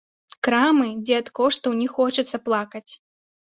Крамы, дзе ад коштаў не хочацца плакаць.